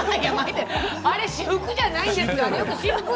あれは私服じゃないですよ。